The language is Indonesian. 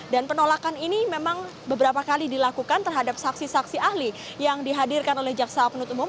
dan penolakan ini memang beberapa kali dilakukan terhadap saksi saksi ahli yang dihadirkan oleh jaksa penutup umum